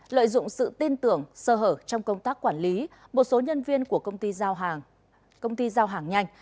lợi dụng sự tin tưởng sơ hở trong công tác quản lý một số nhân viên của công ty giao hàng nhanh